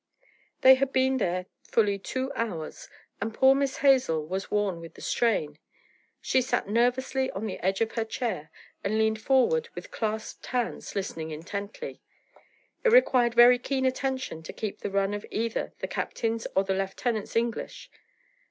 They had been there fully two hours, and poor Miss Hazel was worn with the strain. She sat nervously on the edge of her chair, and leaned forward with clasped hands listening intently. It required very keen attention to keep the run of either the captain's or the lieutenant's English.